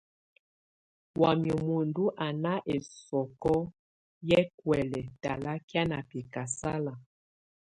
Wamɛ̀á muǝndù á nà ɛsɔkɔ̀ yɛ̀ kuɛ̀lɛ̀ talakɛ̀á nà bɛ̀kasala.